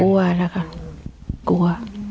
กลัวแล้วค่ะกลัว